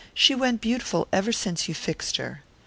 She's went beautiful ever since you fixed her."